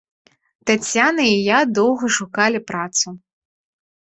Таццяна і я доўга шукалі працу.